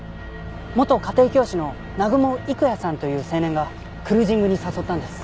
元家庭教師の南雲郁也さんという青年がクルージングに誘ったんです。